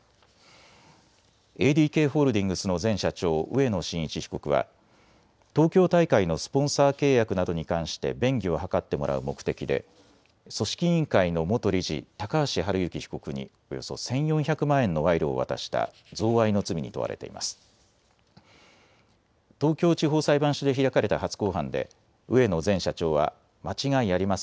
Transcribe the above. ＡＤＫホールディングスの前社長、植野伸一被告は東京大会のスポンサー契約などに関して便宜を図ってもらう目的で組織委員会の元理事、高橋治之被告におよそ１４００万円の賄賂を渡した贈賄の罪に問われています。